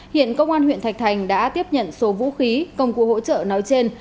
hiện công an huyện thạch thành đã tiếp nhận số vũ khí công cụ hỗ trợ nói trên